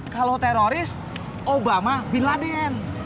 kalau teroris obama bin laden